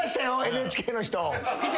ＮＨＫの人。